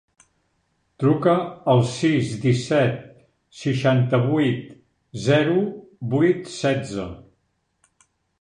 Truca al sis, disset, seixanta-vuit, zero, vuit, setze.